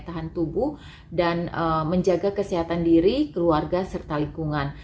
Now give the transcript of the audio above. sebagai contoh di mana juga ada perusahaan yang berhasil menjaga kesehatan diri keluarga serta lingkungan